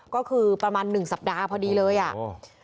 ก็คือประมาณหนึ่งสัปดาห์พอดีเลยอ่ะอืม